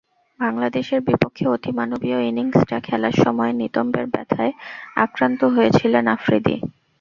বাংলাদেশের বিপক্ষে অতিমানবীয় ইনিংসটা খেলার সময় নিতম্বের ব্যথায় আক্রান্ত হয়েছিলেন আফ্রিদি।